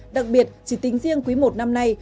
đặc biệt chỉ tính riêng quý một năm nay